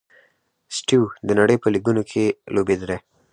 سټیو و د نړۍ په لیګونو کښي لوبېدلی.